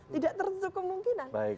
tidak tentu kemungkinan